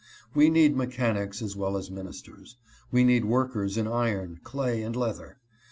We need mechanics as well as minis ters. We need workers in iron, clay, and leather.